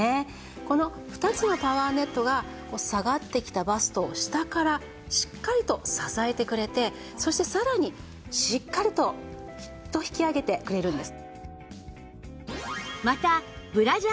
この２つのパワーネットが下がってきたバストを下からしっかりと支えてくれてそしてさらにしっかりとグッと引き上げてくれるんです。